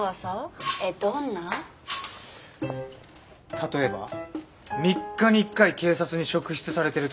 例えば３日に１回警察に職質されてるとか。